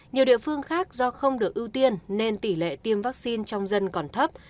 nhiều địa phương khác do không được ưu tiên nên tỷ lệ tiêm vaccine trong dân còn thấp